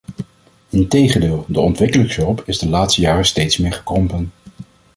Integendeel, de ontwikkelingshulp is de laatste jaren steeds meer gekrompen.